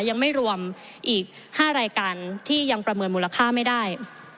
ยังไม่รวมอีก๕รายการที่ยังประเมินมูลค่าไม่ได้